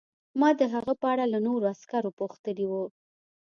ما د هغه په اړه له نورو عسکرو پوښتلي وو